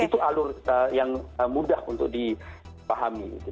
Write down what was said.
itu alur yang mudah untuk dipahami